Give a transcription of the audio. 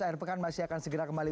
akhir pekan masih akan segera kembali